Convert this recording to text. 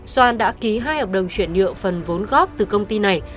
xoan đã ký hai hợp đồng chuyển nhựa phần vốn góp từ công ty này